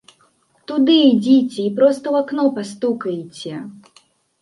Туды ідзіце і проста ў акно пастукаеце.